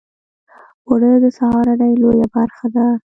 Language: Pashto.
اوړه د سهارنۍ لویه برخه ده